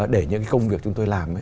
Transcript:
để những công việc chúng tôi làm